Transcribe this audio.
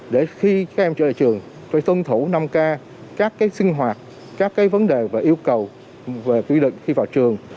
để khi các em trở lại trường tôi tuân thủ năm k các cái sinh hoạt các cái vấn đề và yêu cầu về quy định khi vào trường